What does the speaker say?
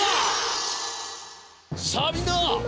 さあみんな！